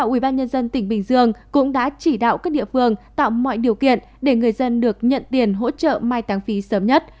ubnd tỉnh bình dương cũng đã chỉ đạo các địa phương tạo mọi điều kiện để người dân được nhận tiền hỗ trợ mai tăng phí sớm nhất